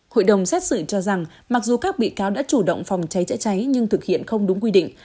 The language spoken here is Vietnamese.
hội đồng xét xử cho rằng mặc dù các bị cáo đã chủ động phòng cháy chữa cháy nhưng thực hiện không đúng quy định